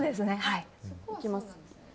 いきます。